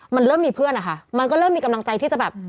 มันเริ่มมีเพื่อนนะคะมันก็เริ่มมีกำลังใจที่จะแบบ